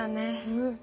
うん。